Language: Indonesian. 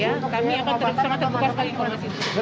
ya kami akan bersama sama terbuka sekali informasi itu